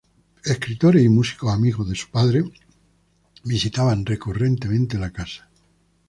Escritores y músicos amigos de su padre visitaban recurrentemente la casa.